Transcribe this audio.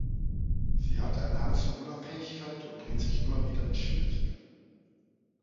Sie hat einen Hang zur Unabhängigkeit und bringt sich immer wieder in Schwierigkeiten.